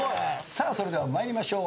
それでは参りましょう。